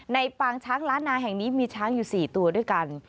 ปางช้างล้านนาแห่งนี้มีช้างอยู่๔ตัวด้วยกัน